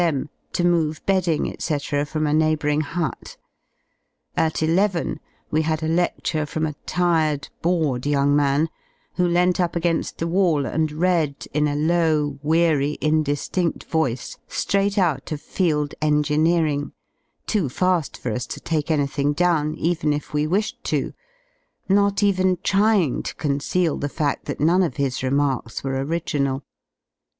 M. to move bedding, ^c, from a neighbouring hut. At eleven we had a ledure from a tired, bored young man, who leant up againft the wall and read in a low, weary, indi^indl voice ^raight out of "Field Engineering," too fa^ for us to take anything down, even if we wished to, not even trying to conceal the fa(3: that none of his remarks were original.